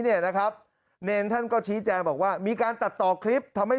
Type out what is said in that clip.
เนรนด์ท่านก็ชี้แจงบอกว่ามีการตัดต่อกลิปทำให้